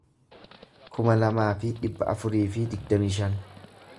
kuma lamaa fi dhibba afurii fi digdamii shan